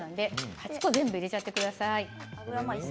８個全部入れちゃってください。